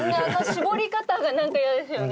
しぼり方がなんか嫌ですよね。